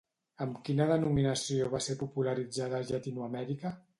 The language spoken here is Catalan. Amb quina denominació va ser popularitzada a Llatinoamèrica?